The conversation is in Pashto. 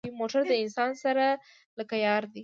موټر له انسان سره لکه یار دی.